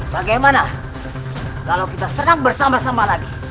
bagaimana kalau kita senang bersama sama lagi